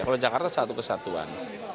kalau jakarta satu kesatuan